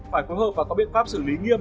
phải phối hợp và có biện pháp xử lý nghiêm